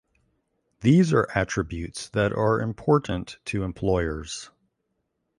These are attributes that are important to employers.